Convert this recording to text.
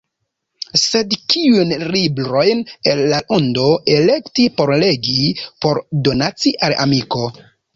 Sed kiujn librojn el la ondo elekti por legi, por donaci al amiko?